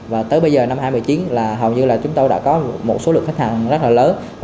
và tới bây giờ năm hai nghìn một mươi chín là hầu như là chúng tôi đã có một số lượng khách hàng rất là lớn